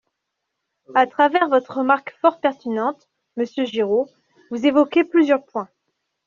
À travers votre remarque fort pertinente, monsieur Giraud, vous évoquez plusieurs points.